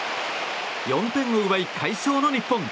４点を奪い快勝の日本。